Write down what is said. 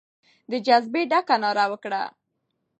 د جذبې ډکه ناره وکړه.